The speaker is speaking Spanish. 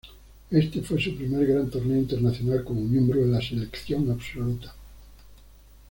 Este fue su primer gran torneo internacional como miembro de la selección absoluta.